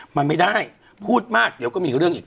มันไม่ได้พูดมากเดี๋ยวก็มีเรื่องอีก